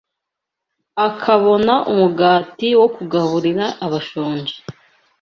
akabona umugati wo kugaburira abashonji